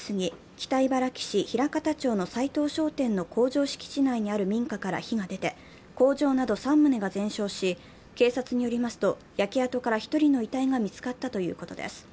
北茨城市平潟町の斉藤商店の工場敷地内にある民家から火が出て工場など３棟が全焼し、警察によりますと焼け跡から１人の遺体が見つかったということです。